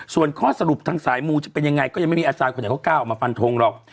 ส่วนข้อสรุปทางสายมูจะเป็นยังไงก็ยังไม่มีอาจารย์คนไหนเขากล้าออกมาฟันทงหรอก